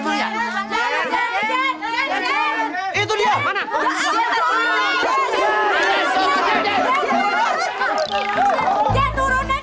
jangan lupa like komen share